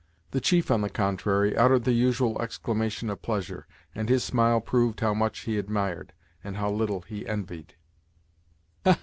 The chief, on the contrary, uttered the usual exclamation of pleasure, and his smile proved how much he admired, and how little he envied.